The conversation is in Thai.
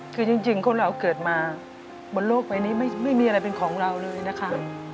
คือจริงคนเราเกิดมาบนโลกใบนี้ไม่มีอะไรเป็นของเราเลยนะคะ